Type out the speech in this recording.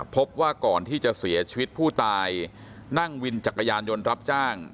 พบว่าก่อนที่จะเสียชีวิตผู้ตายนั่งวินจักรยานยนต์รับจ้าง